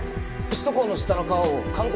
首都高の下の川を観光